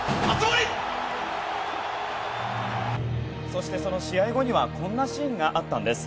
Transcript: そしてその試合後にはこんなシーンがあったんです。